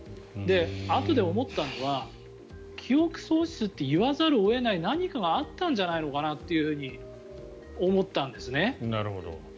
あとで思ったのは記憶喪失って言わざるを得ない何かがあったのかなと思ったんですね。